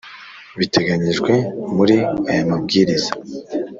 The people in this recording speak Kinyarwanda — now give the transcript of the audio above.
biteganyijwe muri aya mabwiriza